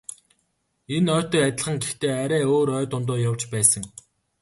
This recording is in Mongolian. Энэ ойтой адилхан гэхдээ арай өөр ой дундуур явж байсан.